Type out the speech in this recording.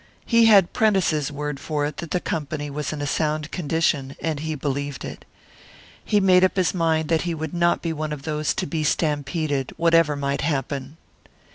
He had Prentice's word for it that the Company was in a sound condition, and he believed it. He made up his mind that he would not be one of those to be stampeded, whatever might happen.